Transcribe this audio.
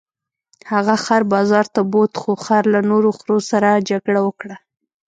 هغه خر بازار ته بوت خو خر له نورو خرو سره جګړه وکړه.